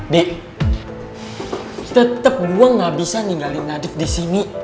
di tetep gua gabisa ninggalin nadif disini